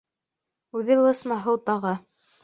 Үҙе лысма һыу тағы.